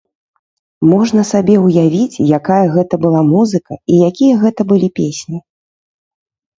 Можна сабе ўявіць, якая гэта была музыка і якія гэта былі песні!